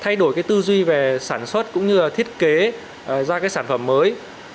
thay đổi cái tư duy về sản xuất cũng như là thiết kế ra cái sản phẩm mới